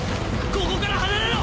ここから離れろ！